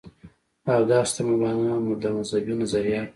او دغسې د مولانا د مذهبي نظرياتو